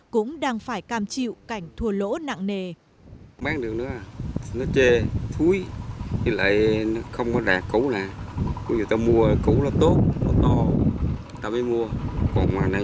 cũng đang phải cam chịu cảnh thua lỗ này